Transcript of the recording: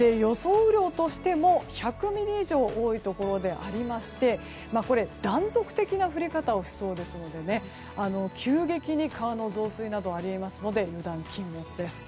雨量としても１００ミリ以上多いところでありまして断続的な降り方をしそうですので急激な川の増水などもありそうですので油断禁物です。